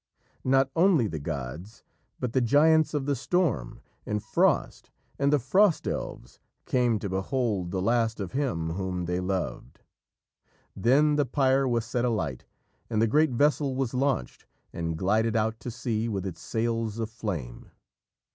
Not only the gods, but the giants of the storm and frost, and the frost elves came to behold the last of him whom they loved. Then the pyre was set alight, and the great vessel was launched, and glided out to sea with its sails of flame.